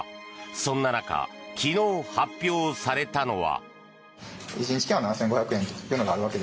そんな中昨日発表されたのは。